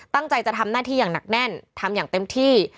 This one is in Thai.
ตั้งใจจะทำหน้าที่อย่างหนักแน่นทำอย่างเต็มที่